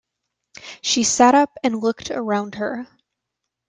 She sat up and looked around her.